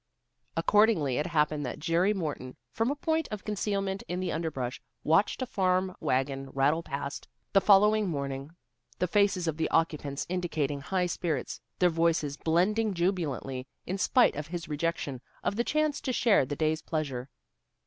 Accordingly it happened that Jerry Morton, from a point of concealment in the underbrush, watched a farm wagon rattle past the following morning, the faces of the occupants indicating high spirits, their voices blending jubilantly, in spite of his rejection of the chance to share the day's pleasure.